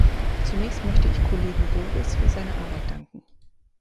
Zunächst möchte ich Kollegen Bowis für seine Arbeit danken.